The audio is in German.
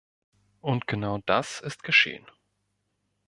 Und genau das ist geschehen.